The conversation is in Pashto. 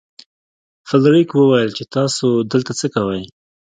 فلیریک وویل چې تاسو دلته څه کوئ.